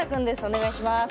お願いします。